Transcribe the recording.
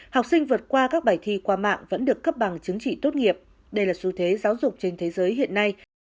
học sinh vượt qua các bài thi qua mạng vẫn được cấp bằng chứng chỉ tốt nghiệp đây là xu thế giáo dục trên thế giới hiện nay